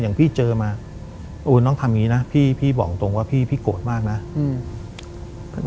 อย่างพี่เจอมาเออน้องทำอย่างงี้นะพี่พี่บอกตรงว่าพี่พี่โกรธมากนะอืม